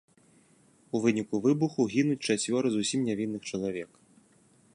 У выніку выбуху гінуць чацвёра зусім нявінных чалавек.